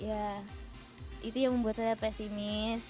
ya itu yang membuat saya pesimis